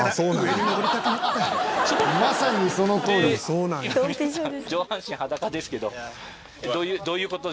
「まさにそのとおりやな」